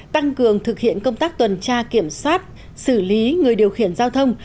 tăng cường thực hiện công tác tuần tra kiểm soát xử lý người điều khiển giao thông